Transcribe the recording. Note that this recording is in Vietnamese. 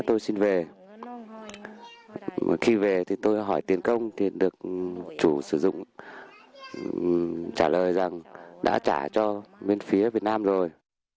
tôi xin về khi về thì tôi hỏi tiền công thì được chủ sử dụng trả lời rằng đã trả cho bên phía việt nam rồi